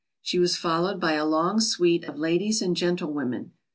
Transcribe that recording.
She was followed by a long suite of ladies and gentlewomen.